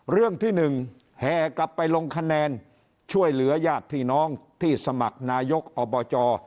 เรื่องที่๑แห่กลับไปลงคะแนนช่วยเหลือญาติพี่น้องที่สมัครนายกอบจ